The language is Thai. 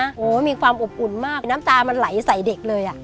โอ้โหมีความอบอุ่นมากน้ำตามันไหลใส่เด็กเลยอ่ะ